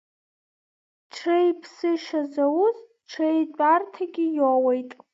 Ҽеи ԥсышьа зауз, ҽеи-тәарҭагьы иоуеит.